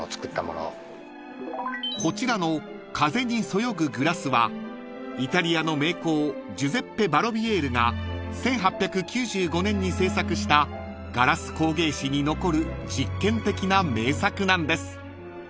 ［こちらの風にそよぐグラスはイタリアの名工ジュゼッペ・バロヴィエールが１８９５年に制作したガラス工芸史に残る実験的な名作なんです］